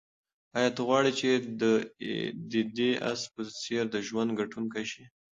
آیا ته غواړې چې د دې آس په څېر د ژوند ګټونکی شې؟